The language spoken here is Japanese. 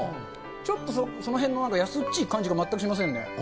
ちょっとそのへんのやすっちい感じが全くしませんね。